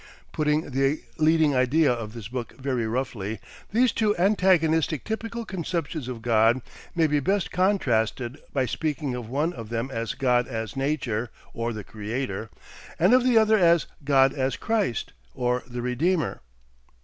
Putting the leading idea of this book very roughly, these two antagonistic typical conceptions of God may be best contrasted by speaking of one of them as God as Nature or the Creator, and of the other as God as Christ or the Redeemer.